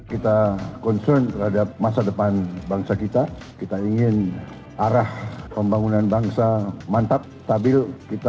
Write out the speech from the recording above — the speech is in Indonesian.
kita concern terhadap masa depan bangsa kita kita ingin arah pembangunan bangsa mantap stabil kita